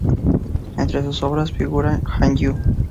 Entre sus obras figuran Hanyu.